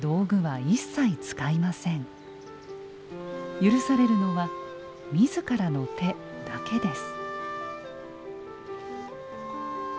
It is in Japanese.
許されるのは自らの手だけです。